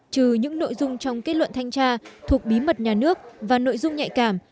trừ những nội dung trong kết luận thanh tra thuộc bí mật nhà nước và nội dung nhạy cảm